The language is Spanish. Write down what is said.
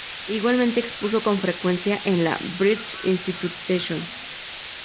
Igualmente expuso con frecuencia en la British Institution.